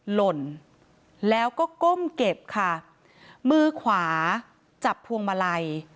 หล่นแล้วก็ก้มเก็บค่ะมือขวาจับพวงมาลัย